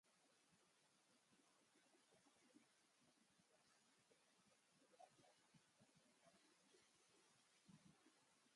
Hausnarketa prozesu sakon baten ondotik, islamera aldatzea erabaki zuen.